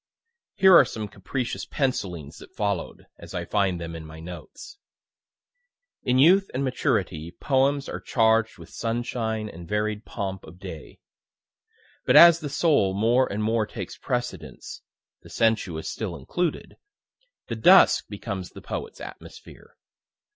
Here are some capricious pencillings that follow'd, as I find them in my notes: In youth and maturity Poems are charged with sunshine and varied pomp of day; but as the soul more and more takes precedence, (the sensuous still included,) the Dusk becomes the poet's atmosphere.